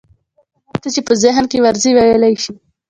ځکه هر څه چې په ذهن کې ورځي ويلى يې شي.